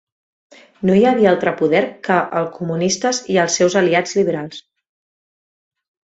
No hi havia altre poder que el comunistes i els seus aliats liberals